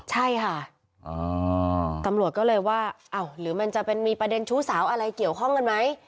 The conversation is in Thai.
ใช่ค่ะตำรวจก็เลยว่าอ้าวหรือมันจะเป็นมีประเด็นชู้สาวอะไรเกี่ยวข้องกันไหม